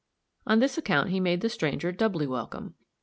On this account he made the stranger doubly welcome.